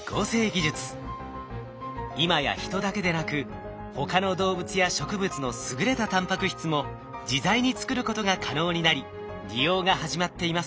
今や人だけでなく他の動物や植物の優れたタンパク質も自在に作ることが可能になり利用が始まっています。